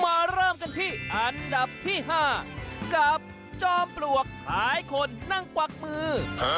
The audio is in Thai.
มาเริ่มกันที่อันดับที่๕กับจอมปลวกหลายคนนั่งกวักมือ